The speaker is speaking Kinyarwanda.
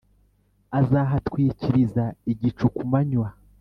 azahatwikiriza igicu ku manywa,